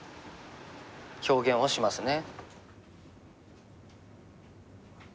表現をしますね。